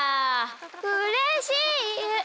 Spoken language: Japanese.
うれしい！